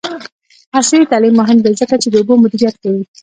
عصري تعلیم مهم دی ځکه چې د اوبو مدیریت ښيي.